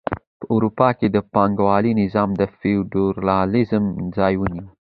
په اروپا کې د پانګوالۍ نظام د فیوډالیزم ځای ونیو.